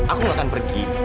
aku gak akan pergi